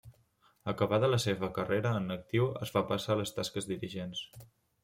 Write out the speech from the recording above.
Acabada la seva carrera en actiu, es va passar a les tasques dirigents.